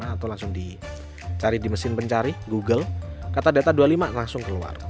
atau langsung dicari di mesin pencari google kata data dua puluh lima langsung keluar